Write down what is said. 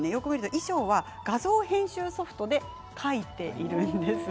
衣装は画像編集ソフトで描いているんです。